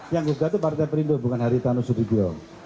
yang gugat itu partai perindo bukan haritanu sudibyo